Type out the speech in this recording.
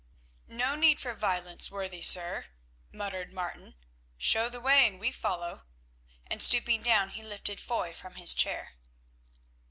"No need for violence, worthy sir," muttered Martin; "show the way and we follow," and stooping down he lifted Foy from his chair.